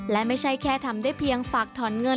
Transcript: และไม่ใช่แค่ทำได้เพียงฝากถอนเงิน